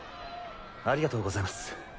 ありがとうございます。